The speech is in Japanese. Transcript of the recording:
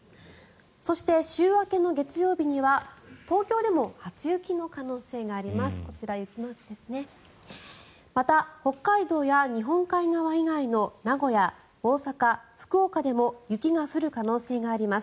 そして、週明けの月曜日には東京でも初雪の可能性があります。